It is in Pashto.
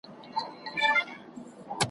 ویرجینیا که په پسرلي کي ,